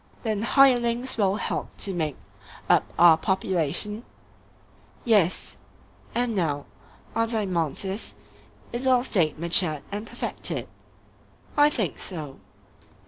Then hirelings will help to make up our population? Yes. And now, Adeimantus, is our State matured and perfected? I think so.